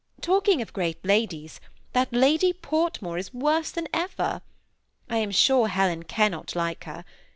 Talking of great ladies^ that Lady Portmore is worse than ever. I am sure Helen cannot like her.